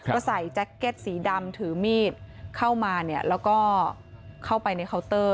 ก็ใส่แจ็คเก็ตสีดำถือมีดเข้ามาแล้วก็เข้าไปในเคาน์เตอร์